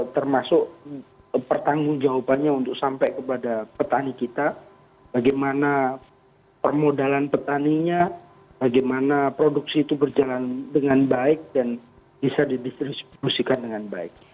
termasuk pertanggung jawabannya untuk sampai kepada petani kita bagaimana permodalan petaninya bagaimana produksi itu berjalan dengan baik dan bisa didistribusikan dengan baik